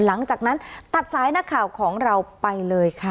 หลังจากนั้นตัดสายนักข่าวของเราไปเลยค่ะ